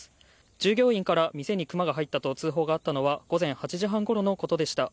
従業員から、店にクマが入ったと通報があったのは午前８時半ごろのことでした。